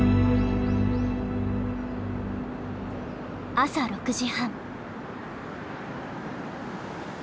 朝６時半。